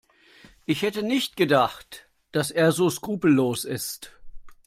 Ich hätte nicht gedacht, dass er so skrupellos ist.